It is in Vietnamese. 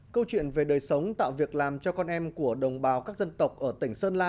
câu chuyện về đời sống tạo việc làm cho con em của đồng bào các dân tộc ở tỉnh sơn la